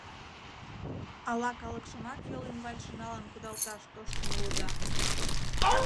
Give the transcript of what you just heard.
— Ала калыкшымат йол ӱмбачше налын кудалташ тоштын улыда?